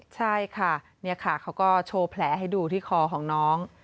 ใช่ค่ะนี่ค่ะเขาก็โชว์แผลให้ดูที่คอของน้อง